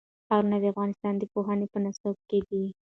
ښارونه د افغانستان د پوهنې په نصاب کې دي.